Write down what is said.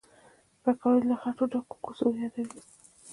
پکورې له خټو ډکو کوڅو یادوي